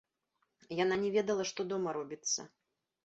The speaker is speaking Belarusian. Яна не ведала, што дома робіцца.